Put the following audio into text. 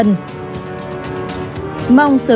mong sớm có phương án để tìm hiểu